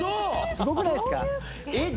すごくないですかえっ！